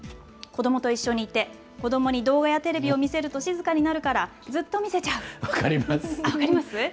子どもと一緒にいて、子どもに動画やテレビを見せると静かになるから、ずっと見せちゃ分かります。